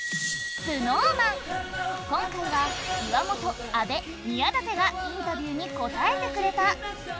今回は岩本阿部宮舘がインタビューに答えてくれた。